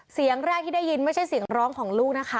เสียงแรกที่ได้ยินไม่ใช่เสียงร้องของลูกนะคะ